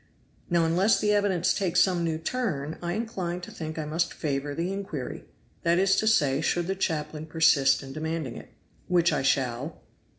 Now unless the evidence takes some new turn I incline to think I must favor the inquiry; that is to say, should the chaplain persist in demanding it." "Which I shall."